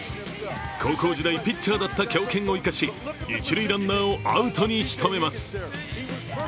高校時代ピッチャーだった強肩を生かし一塁ランナーをアウトにしとめます。